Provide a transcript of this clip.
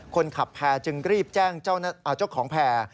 คนขับแพร่จึงรีบแจ้งเจ้าของแพร่